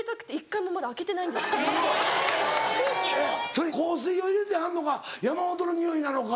それ香水を入れてはんのか山本の匂いなのか。